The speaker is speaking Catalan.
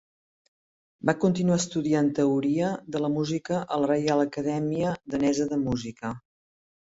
Va continuar estudiant teoria de la música a la Reial Acadèmia Danesa de Música.